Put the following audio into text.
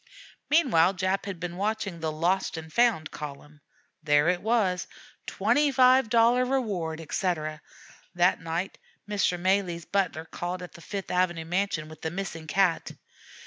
Meanwhile Jap had been watching the 'Lost and Found' column. There it was, "$25 reward," etc. That night Mr. Malee's butler called at the Fifth Avenue mansion with the missing cat.